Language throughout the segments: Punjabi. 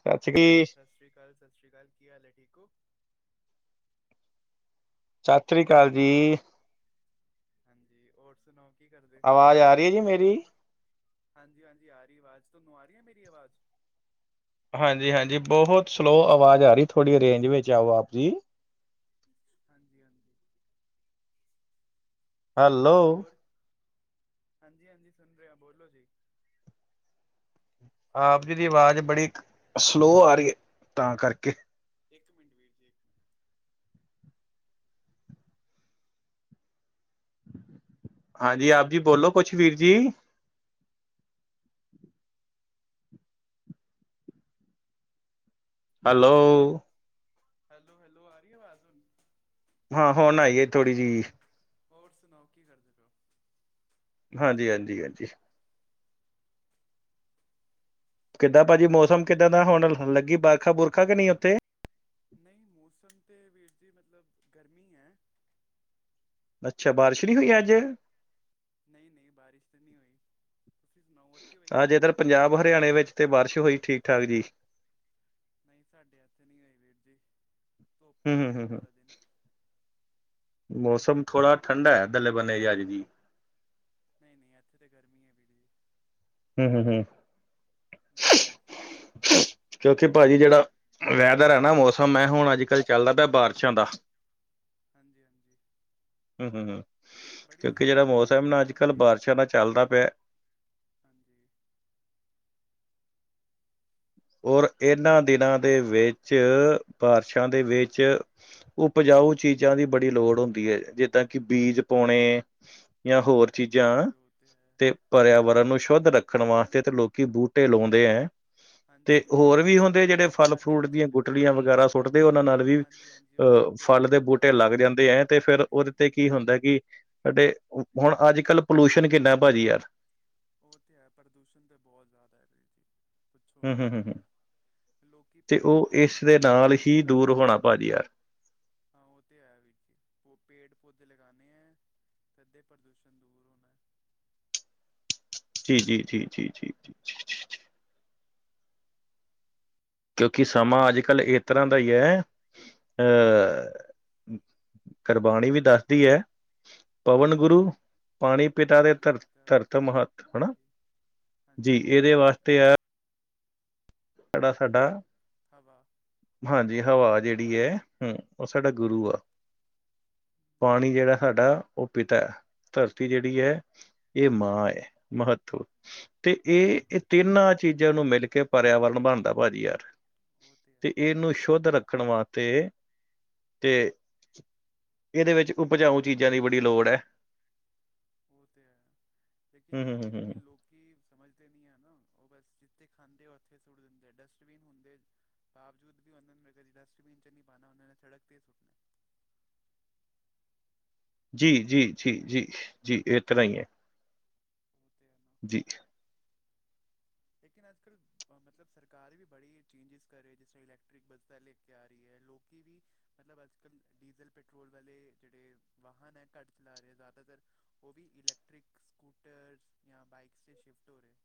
[unintelligible] ਸਤਿ ਸ੍ਰੀ ਅਕਾਲ-ਸਤਿ ਸ੍ਰੀ ਅਕਾਲ, ਕੀ ਹਾਲ ਹੈ? ਠੀਕ ਹੋ? ਸਤਿ ਸ੍ਰੀ ਅਕਾਲ ਜੀ। ਹਾਂਜੀ, ਹੋਰ ਸੁਣਾਓ? ਕੀ ਕਰਦੇ ਆਵਾਜ਼, ਆ ਰਹੀ ਹੈ ਜੀ ਮੇਰੀ? ਹਾਂਜੀ-ਹਾਂਜੀ, ਆ ਰਹੀ ਆਵਾਜ਼? ਤੁਹਾਨੂੰ ਆ ਰਹੀ ਆ ਮੇਰੀ ਆਵਾਜ਼? ਹਾਂਜੀ- ਹਾਂਜੀ, ਬਹੁਤ ਸਲੋਅ ਆਵਾਜ਼ ਆ ਰਹੀ ਹੈ। ਥੋੜ੍ਹੀ ਰੇਂਜ ਵਿੱਚ ਆਉ, ਆਪ ਜੀ। ਹਾਂਜੀ-ਹਾਂਜੀ। ਹੈਲੋ ਹੋਰ, ਹਾਂਜੀ-ਹਾਂਜੀ, ਸੁਣ ਰਿਹਾ, ਬੋਲੋ ਜੀ। ਆਪ ਜੀ ਦੀ ਆਵਾਜ਼, ਬੜੀ ਸਲੋਅ ਆ ਰਹੀ ਹੈ, ਤਾਂ ਕਰਕੇ। ਇੱਕ ਮਿੰਟ, ਵੀਰ ਜੀ। ਮਿੰਟ ਹਾਂਜੀ, ਆਪ ਜੀ ਬੋਲੋ ਕੁਝ, ਵੀਰ ਜੀ। ਹੈਲੋ। ਹੈਲੋ, ਹੈਲੋ ਆ ਰਹੀ ਹੈ ਆਵਾਜ਼ ਹੁਣ? ਹਾਂ, ਹੁਣ ਆਈ ਏ ਥੋੜ੍ਹੀ ਜਿਹੀ। ਹੋਰ ਸੁਣਾਓ, ਕੀ ਕਰਦੇ ਪਏ ਹੋ? ਹਾਂਜੀ-ਹਾਂਜੀ, ਹਾਂਜੀ। ਕਿੱਦਾਂ, ਭਾਜੀ, ਮੌਸਮ ਕਿੱਦਾਂ ਦਾ? ਹੁਣ ਲੱਗੀ ਬਰਖਾ-ਬੁਰਖਾ ਕਿ ਨਹੀਂ ਉੱਥੇ? ਨਹੀਂ, ਮੌਸਮ ਤੇ ਵੀਰ ਜੀ, ਮਤਲਬ ਗਰਮੀ ਹੈ। ਅੱਛਾ, ਬਾਰਿਸ਼ ਨਹੀਂ ਹੋਈ ਅੱਜ? ਨਹੀਂ, ਨਹੀਂ, ਬਾਰਿਸ਼ ਤੇ ਨਹੀਂ ਹੋਈ। ਤੁਸੀਂ ਸੁਣਾਓ ਉੱਥੇ ਹੋਈ ਅਜ ਇਧਰ ਬਾਰਿਸ਼ ਪੰਜਾਬ-ਹਰਿਆਣੇ ਵਿੱਚ, ਤੇ ਬਾਰਿਸ਼ ਹੋਈ ਠੀਕ-ਠਾਕ ਜੀ। ਨਹੀਂ ਸਾਡੇ ਐਥੇ ਨਹੀਂ ਹੋਏ ਵੀਰ ਜੀ ਧੁੱਪ ਹੂੰ ਈ ਹੂੰ ਸੀ ਹੂੰ ਹੂੰ ਪੂਰਾ ਦਿਨ। ਮੌਸਮ ਥੋੜਾ ਠੰਡਾ ਹੈ ਪਹਲੇ ਬੰਨੇ ਤੇ ਅੱਜ ਵੀ। ਨਹੀਂ-ਨਹੀਂ ਐਥੇ ਤਾਂ ਗਰਮੀ ਹੈ ਵੀਰ ਜੀ। ਹੂੰ ਹੂੰ ਹੂੰ ਹਮ, [unintelligible] ਕਿਉਂਕਿ ਭਾਜੀ ਜਿਹੜਾ, ਵੈਦਰ ਹੈ ਨਾ ਮੌਸਮ ਹੈ ਹੁਣ ਅੱਜ ਕੱਲ੍ਹ ਚੱਲਦਾ ਪਿਆ ਬਾਰਿਸ਼ਾਂ ਦਾ। ਹਾਂਜੀ-ਹਾਂਜੀ। ਹੂੰ ਹੂੰ ਹੂੰ ਕਿਉਂਕਿ ਜਿਹੜਾ ਚਿਪਚਿਪ ਹੋਈ ਦੀ ਹੈ ਮੌਸਮ ਨਾ ਅੱਜ ਕੱਲ੍ਹ ਵੀ ਬਾਰਿਸ਼ਾਂ ਨਾਲ ਚੱਲਦਾ ਪਿਆ ਹਾਂਜੀ। ਔਰ ਇਹਨਾਂ ਦਿਨਾਂ ਦੇ ਵਿੱਚ ਬਾਰਿਸ਼ਾਂ ਦੇ ਵਿੱਚ ਉਪਜਾਊ ਚੀਜ਼ਾਂ ਦੀ ਬੜੀ ਲੋੜ ਹੁੰਦੀ ਏ ਜਿੱਦਾਂ ਕਿ ਬੀਜ ਪਾਉਣੇ, ਯਾ ਹੋਰ ਹਾਂਜੀ ਚੀਜ਼ਾਂ ਹਾਂਜੀ ਉਹ ਹੈ ਤੇ ਪਰਿਆਵਰਨ ਨੂੰ ਸ਼ੁੱਧ ਰੱਖਣ ਵਾਸਤੇ ਤੇ ਲੋਕੀ ਬੂਟੇ ਲਾਉਂਦੇ ਹੈ। ਤੇ ਹਾਂਜੀ ਹੋਰ ਮਤਲਬ ਵੀ ਇਓ ਹੁੰਦੇ ਜਿਹੜੇ ਫਲ ਬਾਰਿਸ਼ਾਂ ਫਰੂਟ ਚ ਦੀਆਂ ਲੱਗਦੇ ਗੁਟਲੀਆਂ ਵਗ਼ੈਰਾ ਸੁੱਟਦੇ ਉਹਨਾਂ ਨਾਲ ਵੀ ਹਾਂਜੀ ਹਾਂਜੀ ਉਹ ਅਹ, ਬੂਟੇ ਉੱਗ ਫਲ ਦੇ ਜਾਂਦੇ ਬੂਟੇ ਲੱਗ ਉੱਥੋਂ ਜਾਂਦੇ ਹੈ ਤੇ ਫਿਰ ਹਾਂਜੀ ਉਹਦੇ ਤੇ ਹਾਂਜੀ ਉਹ ਕੀ ਹੈ ਹੁੰਦਾ ਕਿ, ਅਤੇ ਹੁਣ ਅੱਜ ਕੱਲ੍ਹ ਪੋਲਿਊਸ਼ਨ ਕਿੰਨਾ ਭਾਅਜੀ ਯਾਰ, ਉਹ ਤੇ ਹੈ ਪ੍ਰਦੂਸ਼ਣ ਤਾਂ ਬਹੁਤ ਜ਼ਿਆਦਾ ਹੈ ਜੀ ਪੁੱਛੋ ਹੂੰ ਹੀ ਹੂੰ ਨਾ। ਹੂੰ ਹੂੰ ਲੋਕੀ ਤੇ ਪੇੜ ਉਹ ਪੌਧੇ ਇਸ ਦੇ ਉੱਗਾਂਦੇ ਨੀ ਨਾਲ ਪਏ ਹੀ ਬਸ ਦੂਰ ਹੋਣਾ ਭਾਜੀ ਯਾਰ ਹਾਂ ਉਹ ਤੇ ਹੈ ਵੀਰ ਜੀ ਓਹ ਪੇੜ ਪੌਦੇੇ ਲਗਾਉਣੇ ਹੈ। ਫੇਰ ਤੇ ਪ੍ਰਦੂਸ਼ਣ ਦੂਰ ਹੋਣਾ। ਜੀ ਜੀ ਜੀ ਜੀ ਜੀ ਜੀ। ਕਿਉਂਕਿ ਸਮਾਂ ਅੱਜ ਕੱਲ੍ਹ ਇਸ ਤਰ੍ਹਾਂ ਦਾ ਹੀ ਹੈ। [unintelligible] ਕੁਰਬਾਣੀ ਵੀ ਦੱਸਦੀ ਹੈ। ਪਵਨ ਜੀ ਗੁਰੂ ਪਾਣੀ ਪਿਤਾ ਦੇ ਪਾਣੀ ਧਰ ਪੀਤਾ ਧਰਤ ਮਹੱਤ ਹੈਨਾ? ਹਾਂਜੀ ਜੀ ਹਾਂਜੀ ਹਾਂਜੀ ਇਹਦੇ ਉਹ ਤੇ ਵਾਸਤੇ ਹੈ ਆ [unintelligible] ਸਾਡਾ, ਹਵਾ ਹਾਂਜੀ ਹਵਾ ਜਿਹੜੀ ਹੈ। ਹਮ ਉਹ ਸਾਡਾ ਗੁਰੂ ਆ ਉਹ ਪਾਣੀ ਤੇ ਜਿਹੜਾ ਹੈ ਸਾਡਾ ਉਹ ਪਿਤਾ ਹੈ। ਧਰਤੀ ਜਿਹੜੀ ਹੈ, ਇਹ ਮਾਂ ਹੈ। ਮਹੱਤਵ ਤੇ ਇਹ ਹਾਂਜੀ ਇਹ ਹਾਂਜੀ ਤਿੰਨਾਂ ਚੀਜ਼ਾਂ ਨੂੰ ਮਿਲ ਕੇ ਪਰਿਆਵਰਨ ਬਣਦਾ ਭਾਜੀ ਯਾਰ ਉਹ ਹੈ ਤੇ ਇਹਨੂੰ ਸ਼ੁੱਧ ਰੱਖਣ ਵਾਸਤੇ ਤੇ- ਤੇ। ਇਹਦੇ ਵਿੱਚ ਉਪਜਾਊ ਚੀਜ਼ਾਂ ਦੀ ਬੜੀ ਲੋੜ ਹੈ। ਉਹ ਤੇ ਹੈ ਲੇਕਿਨ ਹੂੰ ਵੀਰ ਹੂੰ ਹੂੰ ਜੀ ਹੂੰ ਲੇਕਿਨ ਲੋਕ ਕੀ ਸਮਝਦੇ ਨੀ ਹੈ ਨਾ ਉਹ ਬਸ ਜਿੱਥੇ ਖਾਂਦੇ ਉੱਥੇ ਸੁੱਟ ਦਿੰਦੇ ਡਸਟਬਿਨ ਹੁੰਦੇ ਬਾਵਜੂਦ ਵੀ ਉਹਨਾਂ ਨੇ ਕਦੀ ਡਸਟਬਿਨ ਚ ਨਹੀਂ ਪਾਉ ਉਹਨਾਂ ਨੇ ਸੜਕ 'ਤੇ ਸੁੱਟਣਾ ਜੀ ਜੀ ਜੀ ਜੀ ਜੀ ਇਸ ਤਰ੍ਹਾਂ ਹੀ ਹੈ। [inaudible] ਜੀ। ਲੇਕਿਨ ਅੱਜ ਕੱਲ੍ਹ ਮਤਲਬ ਸਰਕਾਰ ਵੀ ਬੜੀ ਚੇਂਜਿਸ ਕਰ ਰਹੀ ਜਿਸ ਤਰਾਂ ਇਲੈਕਟ੍ਰਿਕ ਬੱਸਾਂ ਲੈ ਕੇ ਆ ਰਹੀ ਹੈ ਲੋਕੀ ਵੀ ਮਤਲਬ ਅੱਜ ਕੱਲ ਡੀਜ਼ਲ ਪੈਟਰੋਲ ਵਾਲੇ ਜਿਹੜੇ ਵਾਹਨ ਹੈ ਘੱਟ ਚਲਾ ਰਹੇ ਜ਼ਿਆਦਾਤਰ ਉਹ ਵੀ ਇਲੈਕਟ੍ਰਿਕ ਸਕੂਟਰ ਜਾਂ ਬਾਈਕਸ 'ਚ ਸ਼ਿਫਟ ਹੋ ਰਹਿਆ।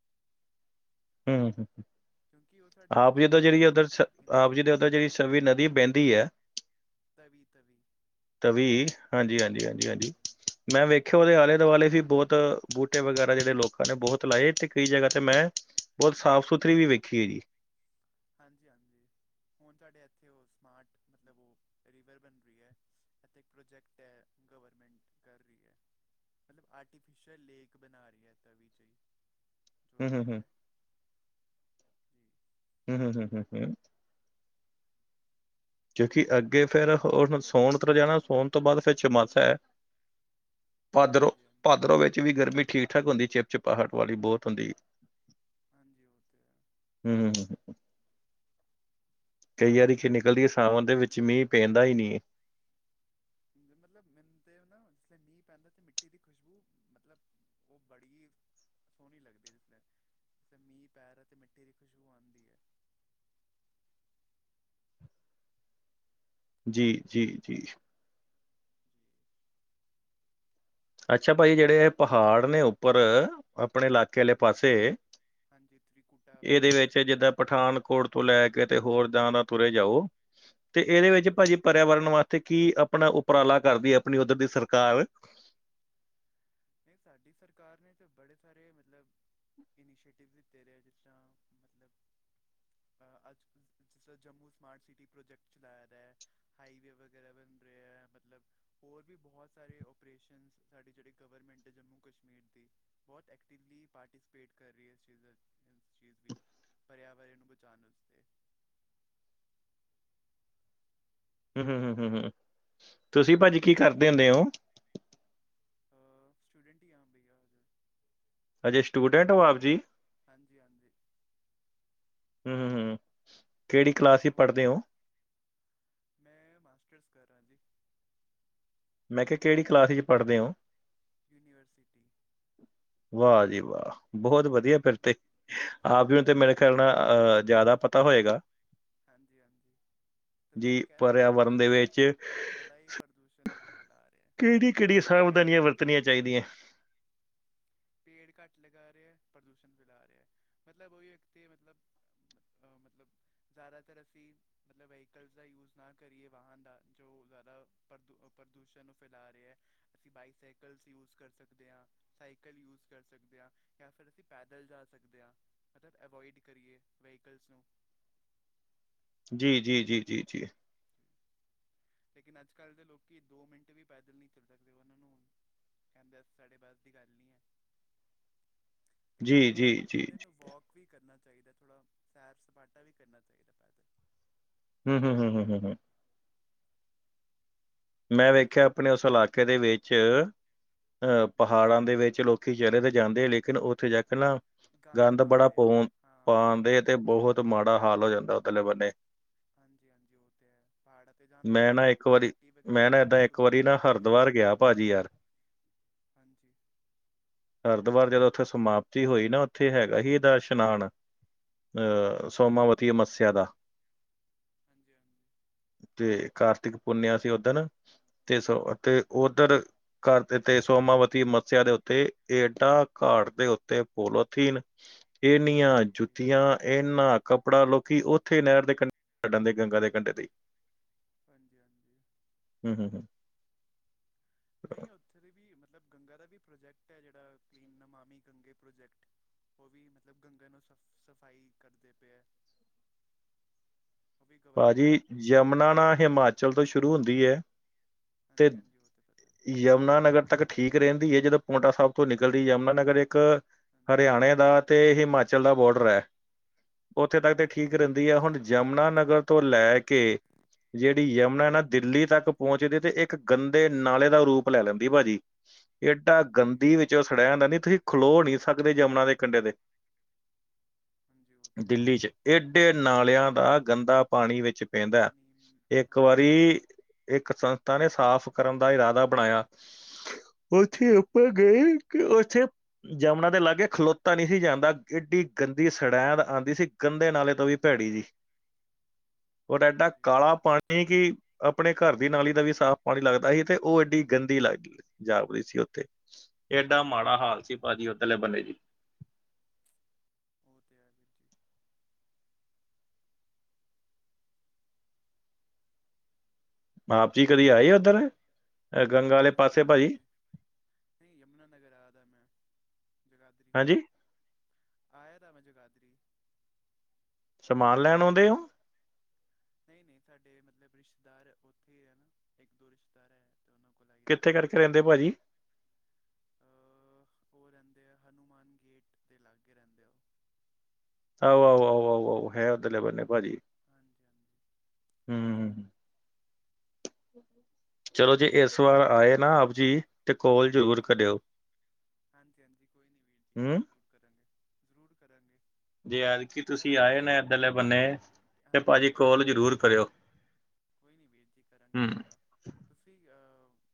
[unintelligible] ਕਿਉਂਕਿ ਉਹ ਸਾਡੇ ਆਪ ਜੀ ਦੇ ਪਰਿਆਵਰਨ ਜਿਹੜੀ ਨੂੰ ਉੱਧਰ ਮਤਲਬ ਇੰਨਾ ਆਪ ਜੀ ਦੇ ਨੁਕਸਾਨ ਉਧਰ ਜਿਹੜੀ ਨਹੀਂ ਸਵੀ ਨਦੀ ਬਹਿੰਦੀ ਹੈ। ਤਵੀ-ਤਵੀ। ਤਵੀ, ਹਾਂਜੀ ਹਾਂਜੀ ਹਾਂਜੀ ਹਾਂਜੀ। ਮੈਂ ਵੇਖਿਆ ਉਹਦੇ ਆਲੇ ਦੁਆਲੇ ਵੀ ਬਹੁਤ ਬੂਟੇ ਵਗੈਰਾ ਜਿਹੜੇ ਲੋਕਾਂ ਨੇ ਬਹੁਤ ਲਾਏ ਤੇ ਕਈ ਜਗ੍ਹਾ ਤੇ ਮੈਂ ਬਹੁਤ ਸਾਫ਼ ਸੁਥਰੀ ਵੀ ਵੇਖੀ ਹੈ ਜੀ। ਹਾਂਜੀ ਹਾਂਜੀ ਹੁਣ ਸਾਡੇ ਇੱਥੇ ਉਹ ਸਮਾਰਟ ਮਤਲਬ ਉਹ ਰੀਵਰ ਬਣ ਰਹੀ ਹੈ। ਐ ਤੇ ਇੱਕ ਪ੍ਰੋਜੈਕਟ ਹੈ, ਗਵਰਮੈਂਟ ਕਰ ਰਹੀ ਹੈ। ਮਤਲਬ ਆਰਟੀਫਿਸ਼ਅਲ ਲੇਕ ਬਣਾ ਰਹੀ ਹੈ ਤਵੀ ਜਹੀ ਹੂੰ- ਹੂੰ - ਹੂੰ- ਜੀ ਹੂੰ - ਹੂੰ - ਹੂੰ- ਹੂੰ। ਕਿਉਂਕਿ ਅੱਗੇ ਫੇਰ ਸੋਣ [unintelligible] ਜਾਣਾ ਸੋਣ ਤੋਂ ਬਾਅਦ ਫੇਰ ਚੋਮਾਸਾ ਹੈ। ਭਾਦਰੋਂ ਹਾਂਜੀ ਹਾਂਜੀ ਭਾਦਰੋਂ ਵਿੱਚ ਵੀ ਗਰਮੀ ਠੀਕ ਠਾਕ ਹੁੰਦੀ ਚਿਪਚਿਪਾਹਟ ਵਾਲੀ ਬਹੁਤ ਹੁੰਦੀ। ਹਾਂਜੀ ਉਹ ਤੇ ਹੈ। ਹੂੰ ਕਈ ਵਾਰੀ [unintelligible] ਨਿਕਲਦੀ ਹਾਂ ਓਹੰਦੇ ਵਿੱਚ ਮੀਂਹ ਪੈਂਦਾ ਹੀ ਨਹੀਂ। ਮਤਲਬ ਮੈਨੂੰ ਤੇ ਨਾ ਜਿਸ ਲੇ ਮੀਂਹ ਪੈਂਦਾ ਸੀ ਮਿੱਟੀ ਦੀ ਖੁਸ਼ਬੂ ਮਤਲਬ ਉਹ ਬੜੀ ਸੋਹਣੀ ਲੱਗਦੀ ਜਿਸ ਅਤੇ ਮੀਂਹ ਪੈ ਰਹਿਆ ਤੇ ਮਿੱਠੇ ਦੀ ਖੁਸ਼ਬੂ ਆਉਂਦੀ ਏ। ਜੀ ਜੀ ਜੀ। ਜੀ ਅੱਛਾ। ਭਾਜੀ ਜਿਹੜੇ ਪਹਾੜ ਨੇ ਉੱਪਰ, ਆਪਣੇ ਇਲਾਕੇ ਵਾਲਲੇ ਪਾਸੇ ਹਾਂਜੀ ਤ੍ਰਿਕੁਟਾ ਇਹਦੇ ਪਰਬਤ ਵਿੱਚ ਹਾਂਜੀ। ਜਿੱਦਾਂ ਪਠਾਨਕੋਟ ਤੋਂ ਲੈ ਕੇ ਤੇ ਹੋਰਦ ਦਾ ਤੁਰੇ ਜਾਓ ਤੇ ਇਹਦੇ ਹਾਂਜੀ ਵਿੱਚ ਭਾਜੀ। ਹਾਂਜੀ ਪਰਿਆਵਰਨ ਵਾਸਤੇ ਕੀ ਆਪਣਾ ਉਪਰਾਲਾ ਕਰਦੀ ਹੈ, ਆਪਣੀ ਉੱਧਰ ਦੀ ਸਰਕਾਰ।? ਨਹੀਂ ਸਾਡੀ ਸਰਕਾਰ ਨੇ ਤੇ ਬੜੇ ਸਾਰੇ ਮਤਲਬ ਇਨੀਸ਼ੀਏਟਿਵ ਦੇ ਰਹੇ ਜਿਸ ਤਰ੍ਹਾਂ। ਮਤਲਬ ਅਹ ਅੱਜ ਕੁ ਜਿਵੇ ਜੰਮੂ ਸਮਾਰਟ ਸਿਟੀ ਪ੍ਰੋਜੈਕਟ ਚਲਾਏ ਪੇਏ। ਹਾਈਵੇ ਵਗੈਰਾ ਬਣ ਰਿਹਾ ਹੈ। ਮਤਲਬ ਹੋਰ ਵੀ ਬਹੁਤ ਸਾਰੇ ਓਪਰੇਸ਼ਨ ਸਾਡੇ ਜਿਹੜੇ ਗਵਰਮੈਂਟ ਜੰਮੂ ਕਸ਼ਮੀਰ ਦੀ, ਬਹੁਤ ਐਕਟਿਵਲੀ ਪਾਰਟੀਸਪੇਟ ਕਰ ਰਹੀ ਹੈ ਇਸ ਚੀਜ਼ ਇਸ ਚੀਜ਼ ਵਿੱਚ ਪਰਿਆਵਰਨ ਨੂੰ ਬਚਾਉਣ ਵਾਸਤੇ। ਹੂੰ ਹੂੰ ਹੂੰ ਹੂੰ। ਤੁਸੀਂ ਭਾਜੀ ਕੀ ਕਰਦੇ ਹੁੰਦੇ ਹੋ? ਸਟੂਡੈਂਟ ਹੀ ਹ ਭਈਆ ਹਾਜੇ। ਹਜੇ ਸਟੂਡੈਂਟ ਹੋ ਆਪ ਜੀ ਹਾਂਜੀ ਹਾਂਜੀ। ਹੂੰ ਹੂੰ, ਕਿਹੜੀ ਕਲਾਸ ਹੀ ਹੋਰ ਪੜ੍ਹਦੇ ਓ? ਮੈਂ ਮਾਸਟਰਸ ਕਰ ਰਿਹਾ ਜੀ। ਮੈਂ ਕਿਹਾ ਕਿਹੜੀ ਕਲਾਸ ਵਿੱਚ ਪੜ੍ਹਦੇ ਓ। ਯੂਨੀਵਰਸਿਟੀ ਵਾਹ ਜੀ ਵਾਹ ਬਹੁਤ ਵਧੀਆ ਫਿਰ ਤੇ, ਆਪ ਜੀ ਨੂੰ ਤੇ ਮੇਰੇ ਹਾਂਜੀ ਖਿਆਲ ਨਾਲ ਅਹ ਜ਼ਿਆਦਾ ਪਤਾ ਹੋਏਗਾ। ਹਾਂਜੀ ਹਾਂਜੀ। ਤੱਧੇ ਤੇ ਜੀ ਕਹਿ ਰਹੇ ਪਰਿਆਵਰਨ ਲੋਕੀ ਦੇ ਵਿੱਚ ਬੜਾ ਹੀ ਪ੍ਰਦੂਸ਼ਣ ਨੂੰ ਫੈਲਾ ਰਿਹਾ। ਕਿਹੜੀ-ਕਿਹੜੀ ਮਤਲਬ ਪੇੜ ਸਾਵਧਾਨੀਆਂ ਘੱਟ ਲੱਗਾ ਵਰਤਣੀਆਂ ਚਾਹੀਦੀਆਂ। ਪੇੜ ਘੱਟ ਲਗਾ ਰਿਹਾ ਹੈ। ਪ੍ਰਦੂਸ਼ਣ ਫੈਲਾ ਰਿਹਾ, ਮਤਲਬ ਉਹੀ ਵਿਅਕਤੀ ਮਤਲਬ ਅਹ ਮਤਲਬ ਜ਼ਿਆਦਾਤਰ ਅਸੀਂ ਮਤਲਬ ਵਹੀਕਲ ਦਾ ਯੂਜ ਨਾ ਕਰੀਏ ਵਾਹਨ ਦਾ। ਜੋ ਜ਼ਿਆਦਾੂ ਪ੍ਰਦੂਸ਼ਣ ਨੂੰ ਫੈਲਾ ਰਿਹਾ ਹੈ। ਅਸੀਂ ਬਾਈਸਾਈਕਲਸ ਯੂਜ ਕਰ ਸਕਦੇ ਹਾਂ। ਸਾਈਕਲ ਯੂਜ ਕਰ ਸਕਦੇ ਹਾਂ। ਜਾਂ ਫਿਰ ਅਸੀਂ ਪੈਦਲ ਜਾ ਸਕਦੇ ਹਾਂ। ਮਤਲਬ ਅਵੋਇਡ ਕਰੀਏ ਵਹੀਕਲਸ ਨੂੰ। ਜੀ ਜੀ ਜੀ ਜੀ ਜੀ। ਲੇਕਿਨ ਅੱਜ ਕੱਲ੍ਹ ਦੇ ਲੋਕੀ ਦੋ ਮਿੰਟ ਵੀ ਪੈਦਲ ਨਹੀਂ ਚੱਲ ਸਕਦੇ। ਉਹਨਾਂ ਨੂੰ ਕਹਿੰਦੇ ਸਾਡੇ ਬੱਸ ਦੀ ਗੱਲ ਨਹੀਂ ਹੈ। ਲੇਕਿਨ ਜੀ ਥੋੜ੍ਹਾ ਜੀ ਜੀ ਬੰਦੇ ਜੀ। ਨੂੰ ਵੋਕ ਵੱਕ ਵੀ ਕਰਨਾ ਚਾਹੀਦਾ। ਥੋੜ੍ਹਾ ਸੈਰ -ਸਪਾਟਾ ਵੀ ਕਰਨਾ ਚਾਹੀਦਾ ਪੈਦਲ। ਹੂੰ ਹੂੰ ਹੂੰ ਹੂੰ ਹੂੰ ਮੈਂ ਵੇਖਿਆ ਆਪਣੇ ਉਹ ਉਸ ਇਲਾਕੇ ਦੇ ਵਿੱਚ, ਅਹ ਜੀ ਪਹਾੜਾਂ ਦੇ ਵਿੱਚ ਲੋਕ ਲੋਕੀ ਚੱਲੇ ਤੇ ਜਾਂਦੇ ਆ। ਲੇਕਿਨ ਉੱਥੇ ਜਾ ਕੇ ਨਾ ਗੰਦ ਬੜਾ ਪਾਉਂਦੇ ਪ ਹੈ ਹਾਂ ਉਹ ਪਾਉਂਦੇ ਤੇ ਹੈ ਬਹੁਤ ਮਾੜਾ ਹਾਲ ਹੋ ਜਾਂਦਾ ਉਥਲੇ ਬੰਨੇ ਹਾਂਜੀ ਹਾਂਜੀ ਉਹ ਤੇ ਹੈ ਪਹਾੜਾਂ ਤੇ ਜਾਂਦੇ ਮੈਂ ਹੈ ਨਾ ਇੱਕ ਫਿਰ ਵਾਰੀ ਮੈਂ ਨਾ ਏਦਾਂ ਇੱਕ ਵਾਰੀ ਨਾ ਹਰਿਦੁਵਾਰ ਗਿਆ ਭਾਜੀ ਯਾਰ ਹਾਂਜੀ ਹਰਿਦੁਵਾਰ ਜਦੋਂ ਉੱਥੇ ਸਮਾਪਤੀ ਹੋਈ ਨਾ। ਉੱਥੇ ਹੈਗਾ ਹੀ ਇਹਦਾ ਇਸ਼ਨਾਨ ਅਹ, ਅੱਛਾ ਸੋਮਾਵਤੀ ਮੱਸਿਆ ਦਾ! ਹਾਂਜੀ, ਹਾਂਜੀ। ਤੇ ਕਾਰਤਿਕ ਪੁੰਨਿਆ ਸੀ ਉੱਧਨ, ਤੇ ਸਨ ਉੱਧਰ ਘਾਟ 'ਤੇ ਸੋਮਾਵਤੀ ਮੱਸਿਆ ਦੇ ਉੱਤੇ, ਏਨਾ ਘਾਟ ਦੇ ਉੱਤੇ ਪੋਲੋਥੀਨ! ਇਹ ਨਿਆ ਜੀ ਜੁੱਤੀਆਂ ਇੰਨਾ ਕੱਪੜਾ ਲੋਕੀ ਉੱਥੇ ਨਹਿਰ ਦੇ ਕੰਢੇ ਛੱਡਣਦੇ, ਗੰਗਾ ਦੇ ਕੰਢੇ ਤੇ। ਹਾਂਜੀ, ਹਾਂਜੀ। ਹਮ ਹਮ ਨਹੀਂ, ਉੱਥੇ ਦੀ ਵੀ ਮਤਲਬ ਗੰਗਾ ਦਾ ਵੀ ਪ੍ਰਾਜੈਕਟ ਹੈ, ਜਿਹੜਾ ਨਮਾਮੀ ਗੰਗੇ ਪ੍ਰੋਜੈਕਟ। ਉਹ ਵੀ ਮਤਲਬ ਗੰਗਾ ਨੂੰ ਸਫਾਈ ਕਰਦੇ ਪਏ ਹੈ। [inaudible] ਉਹ ਵੀ ਗਵਰਮੈਂਟ ਭਾਜੀ, ਉੱਥੋਂ ਦੀ ਯਮੁਨਾ ਚਲਾ ਨਾ ਰਹੀ ਹੈ ਹਿਮਾਚਲ ਤੋਂ ਸ਼ੁਰੂ ਹੁੰਦੀ ਹੈ। ਤੇ ਹਾਂਜੀ, ਹਾਂਜੀ, ਉਹ ਤਾਂ ਪਤਾ। ਯਮੁਨਾ ਨਗਰ ਤੱਕ ਠੀਕ ਰਹਿੰਦੀ ਹੈ। ਜਦੋਂ ਪੋਂਟਾ ਸਾਹਿਬ ਤੋਂ ਨਿਕਲਦੀ, ਯਮੁਨਾ ਨਗਰ ਇੱਕ ਹਾਂਜੀ ਹਰਿਆਣੇ ਦਾ ਤੇ ਹਿਮਾਚਲ ਦਾ ਬਾਰਡਰ ਹੈ, ਉੱਥੇ ਤੱਕ ਤੇ ਠੀਕ ਹਾਂਜੀ ਰਹਿੰਦੀ ਹੈ ਹੁਣ। ਯਮੁਨਾ ਨਗਰ ਤੋਂ ਲੈ ਕੇ ਜਿਹੜੀ ਯਮੁਨਾ ਨਾ ਦਿੱਲੀ ਤੱਕ ਪਹੁੰਚਦੀ, ਤੇ ਇੱਕ ਗੰਦੇ ਨਾਲੇ ਦਾ ਰੂਪ ਲੈ ਲੈਂਦੀ ਭਾਜੀ ਏਡਾ ਹਾਂਜੀ ਗੰਦੀ ਵਿੱਚੋਂ ਸੜਿਆ ਜਾਂਦਾ, ਨਹੀਂ ਤੁਸੀਂ ਖਲੋ ਨਹੀਂ ਸਕਦੇ ਜਮੁਨਾ ਦੇ ਕੰਢੇ ਤੇ ਹਾਂਜੀ ਉਹ ਤੇ ਹੈ ਦਿੱਲੀ ਚ ਏਡੇ ਨਾਲਿਆਂ ਦਾ ਗੰਦਾ ਪਾਣੀ ਆਉਂਦਾ ਵਿੱਚ। ਪੈਂਦਾ ਪਾਣੀ ਇੱਕ ਹਾਂਜੀ ਹਾਂਜੀ ਵਾਰੀ ਇੱਕ ਸੰਸਥਾ ਨੇ ਸਾਫ਼ ਕਰਨ ਦਾ ਇਰਾਦਾ ਬਣਾਇਆ ਉੱਥੇ ਆਪਾ ਹਾਂਜੀ ਗਏ ਆ ਜੰਮਣਾ ਦੇ ਲਾਗੇ ਖਲੋਤਾ ਨਹੀਂ ਸੀ ਜਾਂਦਾ। ਏਡੀ ਗੰਦੀ ਸੜੈਂਦ ਆਉਂਦੀ ਸੀ, ਗੰਦੇ ਨਾਲੇ ਤੋਂ ਵੀ ਭੈੜੀ ਜਿਹੀ ਉਹਾ ਏਡਾ ਕਾਲਾ ਹਾਂਜੀ ਪਾਣੀ ਨਹੀਂ, ਕਿ ਆਪਣੇ ਘਰ ਦੀ ਨਾਲੀ ਦਾ ਵੀ ਸਾਫ਼ ਪਾਣੀ ਲੱਗਦਾ ਸੀ, ਤੇ ਉਹ ਏਡੀ ਗੰਦੀ ਲੱਗ ਗਈ। ਜਾਪਦੀ ਸੀ ਉੱਥੇ ਏਡਾ ਮਾੜਾ ਹਾਂਜੀ ਉਹ ਹਾਲ ਤੇ ਸੀ, ਜੀ ਭਾਜੀ। ਉਹੋਧਰਲੇ ਬੰਨੇ, ਜੀ। ਉਹ ਤਾਂ ਹੈ ਵੀ, ਜੀ। ਆਪ ਜੀ ਕਦੇ ਆਏ ਆ ਉੱਧਰ? ਗੰਗਾ ਵਾਲੇ ਹਾਂਜੀ, ਪਾਸੇ ਭਾਜੀ ਹਾਂਜੀ! ਨਹੀਂ, ਯਮੁਨਾਨਗਰ ਆਂ। ਮੈਂ ਜਗਾਧਰੀ। ਹਾਂਜੀ ਆਇਆ ਤਾਂ ਮੈਂ ਜਗਾਧਰੀ ਸਮਾਨ ਲੈਣ ਆਉਂਦੇ ਹੋ? ਨਹੀਂ, ਨਹੀਂ। ਸਾਡੇ ਮਤਲਬ ਰਿਸ਼ਤੇਦਾਰ ਉੱਥੇ ਹੀ ਹੈ ਨਾ ਇੱਕ-ਦੋ ਰਿਸ਼ਤੇਦਾਰ ਹੈ। ਉਹਨੂੰ ਕਿੱਥੇ ਕਰਕੇ ਰਹਿੰਦੇ, ਭਾਜੀ? ਅ, ਉਹ ਰਹਿੰਦੇ ਆ। ਹਨੂੰਮਾਨ ਗੇਟ ਦੇ ਲਾਗੇ ਰਹਿੰਦੇ ਆ, ਉਹ। ਆਓ, ਆਓ, ਆਓ, ਆਓ, ਆਓ! ਹੈ ਉਹਦੇ ਨਾਲ ਬੰਦੇ, ਭਾਜੀ। ਹਾਂਜੀ, ਹਾਂਜੀ। ਹਮ। ਚਲੋ, ਜੇ ਇਸ ਵਾਰ ਉਹ ਆਏ ਨਾ, ਆਪ ਜੀ। ਤੇ ਕੋਲ ਜ਼ਰੂਰ ਹਾਂਜੀ, ਕਰਿਓ ਹਾਂਜੀ, ਹਾਂਜੀ, ਹਾਂਜੀ! ਕੋਈ ਨਹੀਂ, ਵੀਰ ਜੀ। ਹੂੰ ਜ਼ਰੂਰ। ਕਰਾਂਗੇ, ਜ਼ਰੂਰ ਕਰਾਂਗੇ। ਜੇ ਐਦਕੀ ਤੁਸੀਂ ਸਾਡਾ ਆਏ ਵੈਸੇ ਨੇ ਇੱਧਰਲੇ ਘੱਟ ਬੰਨੇ, ਤੇ ਹਾਂਜੀ ਭਾਜੀ ਹਾਂਜੀ ਕੋਲ ਜ਼ਰੂਰ ਕਰਿਓ ਕੋਈ ਨਹੀਂ, ਵੀਰ ਜੀ। ਕਰਾਂਗੇ, ਹੂੰ ਪੱਕਾ ਤੁਸੀਂ।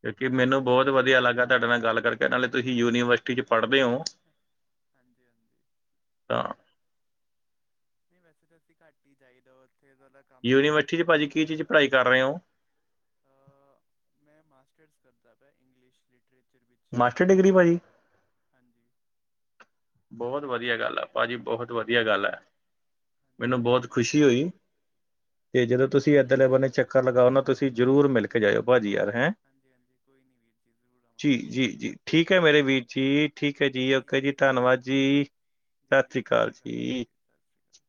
ਕਿਉਂਕਿ ਮਤਲਬ ਮੈਨੂੰ ਉੱਥੇ ਬਹੁਤ ਵਧੀਆ ਲੱਗਾ ਤੁਹਾਡੇ ਨਾਲ ਗੱਲ ਕਰਕੇ, ਨਾਲੇ ਤੁਸੀਂ ਯੂਨੀਵਰਸਿਟੀ 'ਚ ਪੜ੍ਹਦੇ ਹੋ। ਹਾਂਜੀ, ਹਾਂਜੀ। ਤਾਂ ਨਹੀਂ, ਵੈਸੇ ਤਾਂ ਤੁਸੀਂ ਘੱਟ ਹੀ ਜਾਈਦਾ ਉੱਥੇ ਕੰਮ ਨੀ ਹੁੰਦਾ, ਯੂਨੀਵਰਸਿਟੀ 'ਚ ਵੀਰ ਭਾਜੀ ਜੀ, ਕੀ ਚੀਜ਼ ਉੱਥੇ। ਪੜ੍ਹਾਈ ਕਰ ਰਹੇ ਹੋ ਮੈਂ ਮਾਸਟਰਸ ਕਰਦਾ ਪਿਆ ਇੰਗਲਿਸ਼ ਲਿਟਰੇਚਰ ਵਿੱਚ। ਮਾਸਟਰ ਡਿਗਰੀ ਭਾਜੀ ਹਾਂਜੀ। ਬਹੁਤ ਵਧੀਆ ਗੱਲ ਹੈ ਭਾਜੀ। ਬਹੁਤ ਵਧੀਆ ਗੱਲ ਹੈ। ਹਾਂਜੀ ਮੈਨੂੰ ਹਾਂਜੀ ਬਹੁਤ ਖ਼ੁਸ਼ੀ ਹੋਈ ਤੇ ਜਦੋਂ ਹਾਂਜੀ ਤੁਸੀਂ ਮੈਨੂੰ ਵੀ ਏਦਰਲੇ ਬੜੀ ਬੰਨੇ ਚੱਕਰ ਲਗਾਓ ਨਾ। ਵਧੀਆ ਤੁਸੀਂ ਲੱਗਿਆ ਜ਼ਰੂਰ ਮਿਲ ਕੇ ਜਾਇਓ ਭਾਜੀ ਯਾਰ ਹੈਂ। ਹਾਂਜੀ ਹਾਂਜੀ ਕੋਈ ਨਹੀਂ ਵੀਰ ਜੀ ਜ਼ਰੂਰ ਜੀ ਆਵਾਂਗੇ ਜੀ ਜੀ ਠੀਕ ਹੈ। ਮੇਰੇ ਵੀਰ ਜੀ ਠੀਕ ਹੈ ਜੀ। ਓਕੇ ਠੀਕ ਜੀ ਹੈ ਸਤਿ ਸ਼੍ਰੀ ਧੰਨਵਾਦ। ਅਕਾਲ ਜੀ ਜੀ ਸਤਿ ਜੀ ਸ੍ਰੀ ਸਤਿ ਅਕਾਲ ਸ਼੍ਰੀ ਵੀਰ ਜੀ। ਸਤਿ ਸ਼੍ਰੀ ਅਕਾਲ